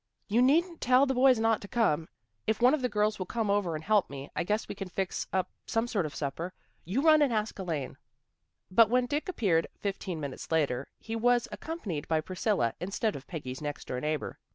" You needn't tell the boys not to come. If one of the girls will come over and help me, I guess we can fix up some sort of supper. You run and ask Elaine." But when Dick appeared fifteen minutes later he was accompanied by Priscilla in stead of Peggy's next door neighbor.